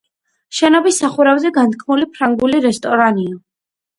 შენობის სახურავზე განთქმული ფრანგული რესტორანია.